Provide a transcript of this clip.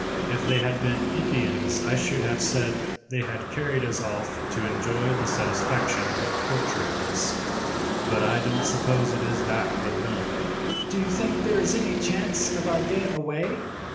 If they had been Indians I should have said they had carried us off to enjoy the satisfaction of torturing us, but I don't suppose it is that with them." "Do you think there is any chance of our getting away?"